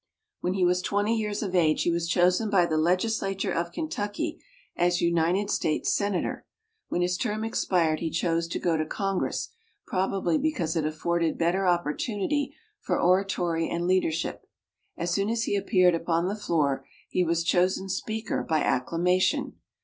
When he was thirty years of age he was chosen by the Legislature of Kentucky as United States Senator. When his term expired he chose to go to Congress, probably because it afforded better opportunity for oratory and leadership. As soon as he appeared upon the floor he was chosen Speaker by acclamation.